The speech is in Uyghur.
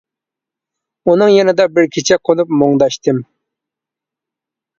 ئۇنىڭ يېنىدا بىر كېچە قونۇپ مۇڭداشتىم.